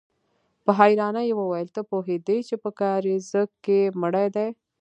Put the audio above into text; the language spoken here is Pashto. په حيرانۍ يې وويل: ته پوهېدې چې په کاريزه کې مړی دی؟